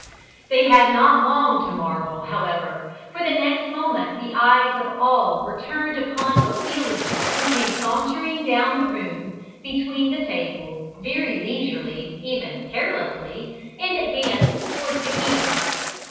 They had not long to marvel, however, for the next moment the eyes of all were turned upon Ophelia, who came sauntering down the room, between the tables, very leisurely, even carelessly, and advanced towards the king.